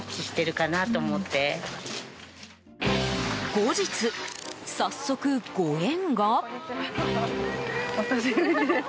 後日、早速ご縁が？